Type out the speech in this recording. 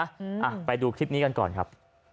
อ่ะไปดูคลิปนี้กันก่อนครับ